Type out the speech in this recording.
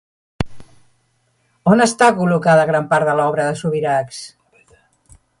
On està col·locada gran part de l'obra de Subirachs?